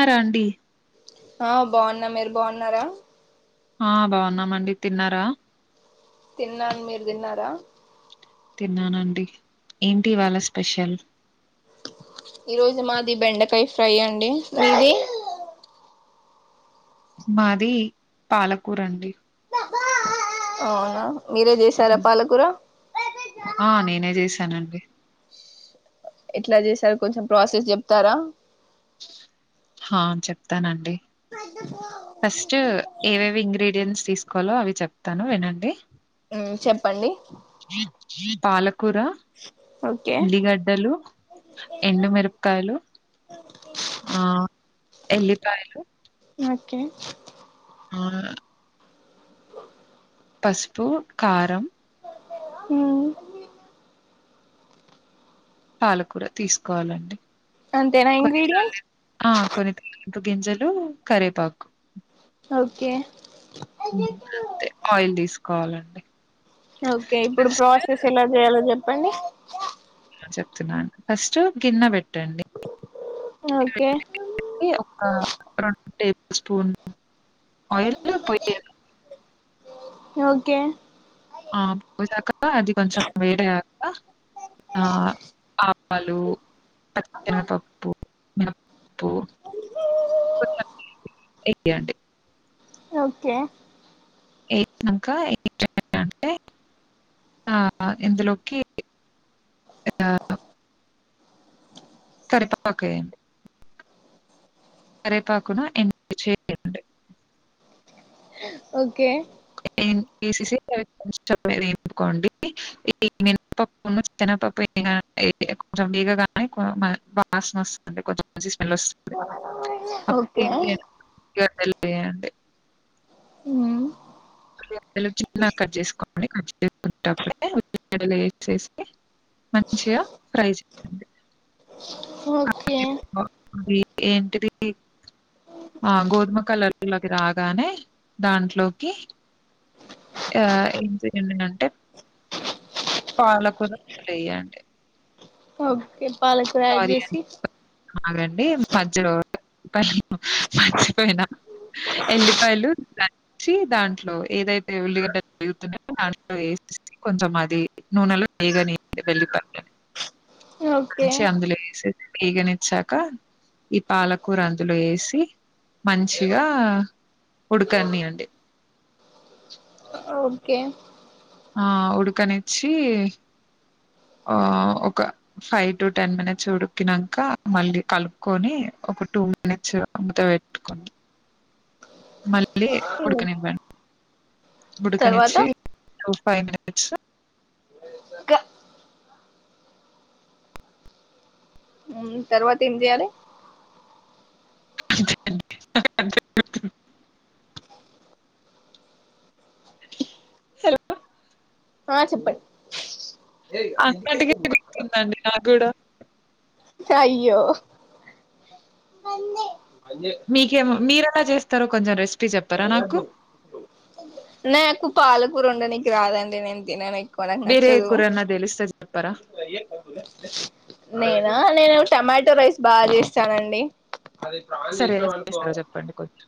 ఆ రండి ఆ బాన్న మీరు బాన్నారా ఆ బాగున్నామండి తిన్నారా తిన్నాను మీరు తిన్నారా తిన్నానండి ఏంటి ఈవాళ స్పెషల్ ఈ రోజు మాది బెండకాయ ఫ్రై అండి మీది మాది పాలకూరండి అవునా మీరే చేశారా పాలకూర ఆ నేనే చేశానండి ఎట్లా చేసారు కొంచెం ప్రాసెస్ చెప్తారా హా చెప్తానండి ఫస్ట్ ఏవేవి ఇంగ్రీడియన్ట్స్ తీసుకోవాలో అవి చెప్తాను వినండి ఊ చెప్పండి పాలక్ కూర ఓకే ఉల్లిగడ్డలు ఎండుమిరపకాయలు ఎల్లిపాయలు ఓకే [unintelligible] పసుపు కారం ఊ పాలకూర తీసుకోవాలండి అంతేనా ఇంగ్రీడియంట్స్ కొన్ని తాళింపు గింజలు కరేపాకు ఓకే అంతే ఆయిల్ తీసుకోవాలండి ఓకే ఇప్పుడు ప్రాసెస్ ఫస్టు ఎలా చేయాలో చెప్ ప్పండి చెప్తున్నాను ఫస్ట్ గిన్నె బెట్ ఓకే ఒక రొట్టె స్టోన్ ఆయిల్ పోయండి ఓకే ఆ పోసాక అది కొంచెం వేడయా ఆ అప్పలు పచ్చి శెనగ పప్పు [inaudible] పూ [inaudible] యాంటీ ఒకే అయిపోయినంక ఏం చేయాలంటే అంటే ఆ ఇందులోకి [inaudible] కరెపాకు ఎయ్యండి కరేపాకున ఎన్ని చే [unintelligible] ఒకే ఎసేసి కొంచం ఏపుకొండి చికెన్ ఐతే వాసన వస్తుంది కొంచం స్మెల్ వస్తుంది ఓకే [unintelligible] మ్మ్ ఉల్ చిన్నగా కట్ చేసుకోండి కట్ చేసుకుప్పుడే ఉల్లిలు వేసేసి మంచిగా ఫ్రై చేయండి ఓకే అది ఏంటిది ఆ గోధుమ కలర్లోకి రాగానే దాంట్లోకి ఆ ఏం చేయండి అంటే పాల కూడ వేయండి ఓకే బాగ ఫ్రై సారీ అండి. చేసి ఆగండి మధ్యలో మర్చిపోయినా ఎల్లిపాయలు దంచి దాంట్లో ఏదైతే ఉల్లిగడ్డలు తరుగుతున్నారో దాంట్లో కొంచెం అది నూనెలో వేగనియలి వెల్లిపాయలుని ఓకే చి అందులో ఏసి వేగనిచ్చాక ఈ పాలకూర అందులో వేసి మంచిగా ఉడకనియండి ఓకే ఆ ఉడకనిచ్చి ఆ ఒక ఫైవ్ టు టెన్ మినిట్స్ ఉడికినంక మళ్ళీ కలుపుకొని ఒక టూ మినిట్స్ మూత పెట్టుకోండి మళ్ళీ ఉడకనివ్వండి తర్వాత ఉడుకనిచ్చి ఫైవ్ మినిట్స్ తర్వాత ఏం చేయాలే [unintelligible] హలో ఆ చెప్పండి అక్కటికి నాగూడ అయ్యో ఎలా చేస్తారు కొంచెం రెస్ నాకు పాలకూర వండ నీకి రాదండి నేను తినను ఎ నాక్ వేరే నచ్చదు కూరన్నా తెలిస్తే చెప్పరా ఆ నేను టమాటో రైస్ బాగా చేస్తానండి అదే ప్రాణం సరే చేసినా ఎలా అనుకో చేస్తారో చెప్పండి కొంచెం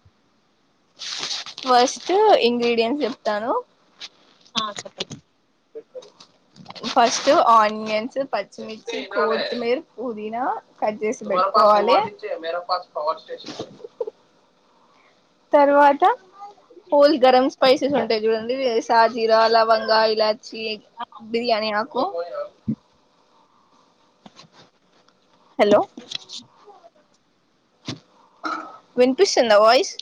ఫస్ట్ ఇంగ్రీడియంట్స్ చెప్తాను హా చెప్పండి ఫస్ట్ ఆనియన్స్ పచ్చిమిర్చి కోత్తిమీర్ పుదీనా కట్ చేసి పెట్టుకోవాలి. తరువాత హోల్ గరం స్పేసిస్ ఉ చూడండి సాజీరా లవంగా ఇలాచి చి బిర్యానీ ఆకు విన్పిస్తుందా వాయిస్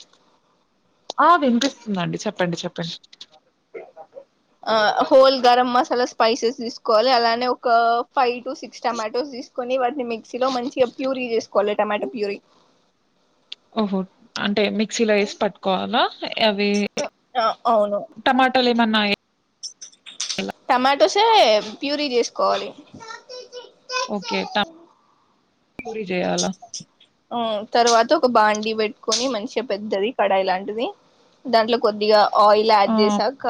ఆహ్ వినిపిస్తుందండి చెప్పండి చెప్పండి ఆహ్ హోల్ గరం మసాలా స్పైసెస్ తీసుకోవాలి అలానే ఒక ఫైవ్ టు సిక్స్ టమాటోస్ తీసుకొని వాటిని మిక్సీలో మంచిగా ప్యూరీ చేసుకోవాలి టమాటో ప్యూరీ. ఓహో అంటే మిక్సీలో ఏసి పట్టుకోవాలా అవి ఆహ్ అవును టమాటాలు ఏమన్నా టమాటోసే ప్యూరీ చేసుకోవాలి ఓకే ట ప్యూరీ చేయాలా ఆహ్ తర్వాత ఒక బాండి పెట్టుకొని మంచిగా పెద్దది కడాయి లాంటిది దాంట్లో కొద్దిగా ఆయిల్ యాడ్ ఆ, చేసాక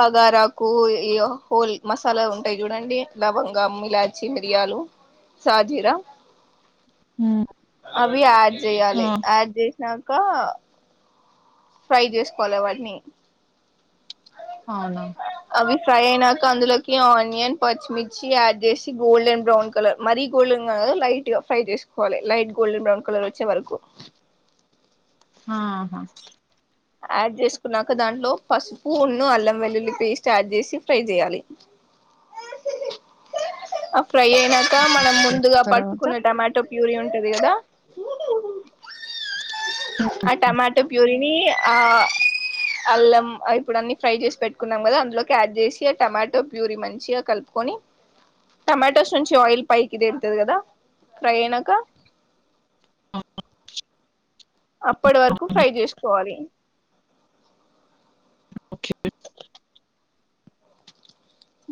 బగారాకు ఇగో హోల్ మసాలా ఉంటాయి చూడండి లవంగం ఇలాచి మిరియాలు సాజీర ఉమ్, అవి ఆడ్ ఆ, చేయ్యాలి ఆడ్ చేసినాక తో ఫ్రై చేసుకోవాలి వాటిని అవునా అవి ఫ్రై అయినాక అందులోకి ఆనియన్ పచ్చిమిర్చి యాడ్ చేసి గోల్డెన్ బ్రౌన్ కలర్ మరీ గోల్డెన్ కాదు లైట్ గా ఫ్రై చేసుకోవాలి లైట్ గోల్డెన్ బ్రౌన్ కలర్ వచ్చే వరకు. మ్మ్ హా యాడ్ చేసుకున్నాక దాంట్లో పసుపు ఉన్ను అల్లం వెల్లుల్లి పేస్ట్ యాడ్ చేసి ఫ్రై చేయాలి ఆ ఫ్రై అయినాక మనం ఓకే, ముందుగా తర్వాత పట్టుకున్న టమాటో ప్యూరి ఉంటది కదా ఆ టమాటో ప్యూరి ఆ అల్లం ఇప్పుడు అన్నీ ఫ్రై చేసి పెట్టుకున్నాం కదా అందులోకి యాడ్ చేసి ఆహ్ టమాటో ప్యూరీ మంచిగా కలుపుకొని టమాటోస్ నుంచి ఆయిల్ పైకి దేళ్తుంది కదా ఫ్రై అయినాక అప్పటి వరకు ఫ్రై చేసుకోవాలి. ఓకే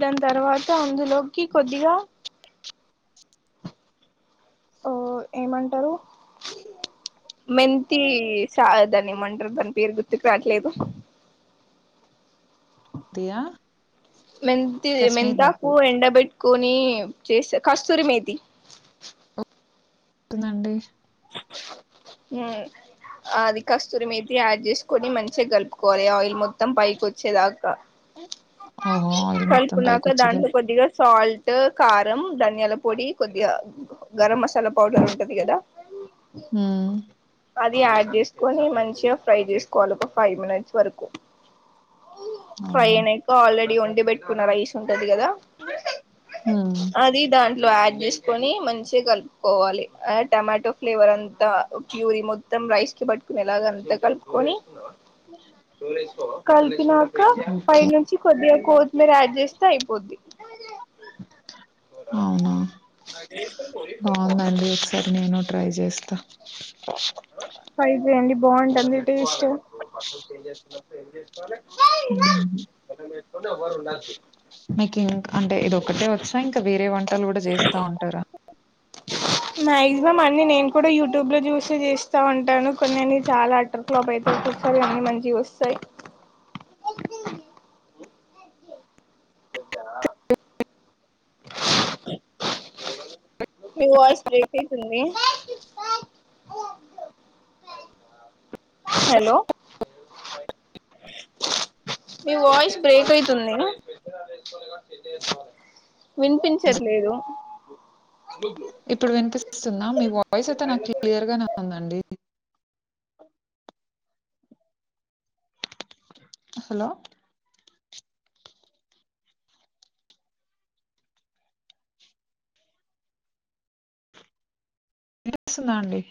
దాని తర్వాత అందులోకి కొద్దిగా ఓ ఏమంటారు మెంతి సా దాన్ని ఏమంటారు దాని పేరు గుర్తుకు రావట్లేదు దియా మెంతీ మెంతాకు ఎండబెట్టుకొని చేస్తే కస్తూరి మేతి తినండి మ్మ్ అ అది కస్తూరి మీరు యాడ్ చేసుకొని మంచిగా కలుపుకోవాలి ఆయిల్ మొత్తం పైకి వచ్చేదాక ఓహో ఆయిల్ మొత్తం పైకి కలుపుకున్నాక వచ్చిదా దాంట్లో కొద్దిగా సాల్ట్ కారం ధనియాల పొడి కొద్దిగా గరం మసాలా పౌడర్ ఉంటది కదా మ్మ్ అది యాడ్ చేసుకొని మంచిగా ఫ్రై చేసుకోవాలి ఒక ఫైవ్ మినిట్స్ వరకు ఓహో! ఫైన్యికు ఆల్రెడీ ఉంట పెట్టుకున్నరా ఈశాన్ ఉంటది కదా హ్మ్. అది దానికి ఇట్లా యాడ్ చేసుకొని మంచిగా కలుపుకోవాలి టమాటో ఫ్లేవర్ అంతా ప్యూరి మొత్తం రైస్ కి పట్టుకునేలాగ అంత కలుపుకొని కలిపినక పై ఓకే. నుంచి కొద్దిగా కోతిమర యాడ్ చేస్తే అయిపోద్ది అవునా బాగుందండి ఒకసారి నేను ట్రై చేస్తా ట్రై చెయ్యండి బాగుంటుంది టేస్ట్ ఏం చేస్తున్నప్పుడు ఏం చేసుకోవాలి మ్మ్ మీకు ఇంక్ అంటే ఇది ఒక్కటే వచ్చా ఇంకా వేరే వంటలు గుడా చేస్తా ఉంటారా మాక్సిమం అన్ని నేను కూడా యూట్యూబ్ లో చూస్తే చేస్తా ఉంటాను కొన్ని అన్ని చాలా అట్టర్ ఫ్లాప్ అయిపోతుంటాయ్ నేను చెస్తే మీ వాయిస్ బ్రేక్ అయితుంది హలో మీ వాయిస్ బ్రేక్ అయితుంది వినిపించట్లేదు ఇప్పుడు వినిపిస్తుందా మీ వాయిస్ అయితే నాకు క్లియర్ గానే ఉందండి హలో వినిపిస్తుందా అండి